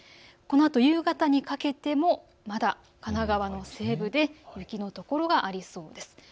このあと夕方にかけてもまだ神奈川の西部で雪の所がありそうです。